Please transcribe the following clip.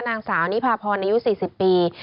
นางสาวนี่พาพรในยุค๔๐ปี